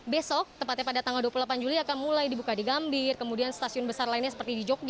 besok tepatnya pada tanggal dua puluh delapan juli akan mulai dibuka di gambir kemudian stasiun besar lainnya seperti di jogja